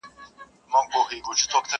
ماته به نه وایې چي تم سه، اختیار نه لرمه؛